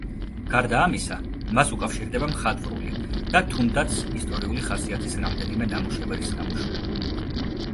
გარდა ამისა, მას უკავშირდება მხატვრული და თუნდაც ისტორიული ხასიათის რამდენიმე ნამუშევრის გამოშვება.